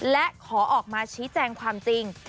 และขอออกมาชี้แจงความจริง